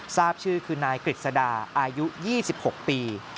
ทราบชื่อคือนายกฤษดาอายุ๒๖ปี